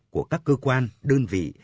của các cơ quan đơn vị